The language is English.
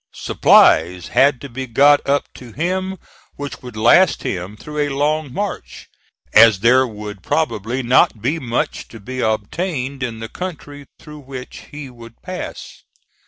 Supplies had to be got up to him which would last him through a long march, as there would probably not be much to be obtained in the country through which he would pass.